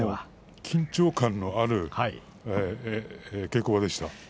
緊張感のある稽古場でした。